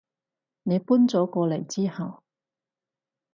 你搬咗過嚟之後